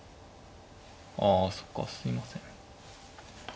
あそうかすいません。